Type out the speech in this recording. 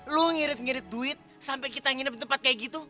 lu ngirit ngirit duit sampai kita ngirip di tempat kayak gitu